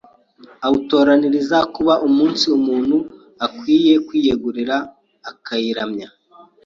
awutoranyiriza kuba umunsi umuntu akwiriye kuyiyegurira akayiramya.